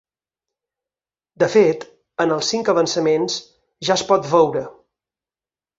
De fet en els cinc avançaments ja es pot veure.